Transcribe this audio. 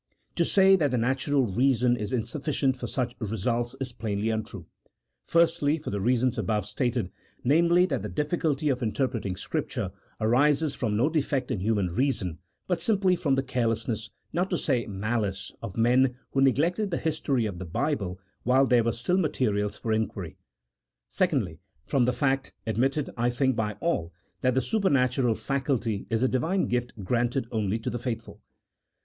To say that the natural reason is in sufficient for such results is plainly untrue, firstly, for the reasons above stated, namely, that the difficulty of inter preting Scripture arises from no defect in human reason, but simply from the carelessness (not to say malice) of men who neglected the history of the Bible while there were still materials for inquiry; secondly, from the fact (ad mitted, I think, by all) that the supernatural faculty is a Divine gift granted only to the faithful.